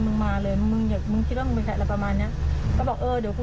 เพราะเขาก็ต้องสูงเสี่ยหนูก็ต้องสูงเสี่ยถ้าในเมื่อมันเป็นแบบนี้